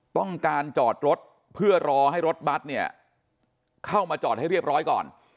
ต้องการจอดรถเพื่อรอให้รถบัตรเนี่ยเข้ามาจอดให้เรียบร้อยก่อน